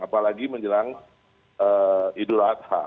apalagi menjelang idul adha